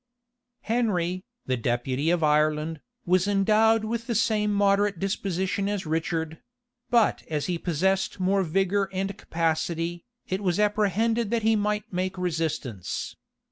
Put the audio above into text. Henry, the deputy of Ireland, was endowed with the same moderate disposition as Richard; but as he possessed more vigor and capacity, it was apprehended that he might make resistance.